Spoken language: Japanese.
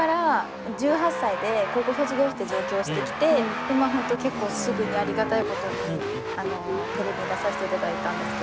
１８歳で高校卒業して上京してきて結構すぐにありがたいことにテレビに出させていただいたんですけど。